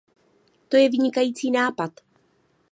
To je vynikající nápad.